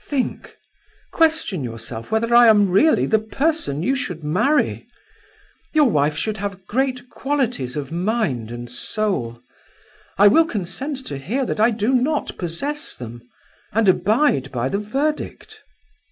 Think; question yourself whether I am really the person you should marry. Your wife should have great qualities of mind and soul. I will consent to hear that I do not possess them, and abide by the verdict."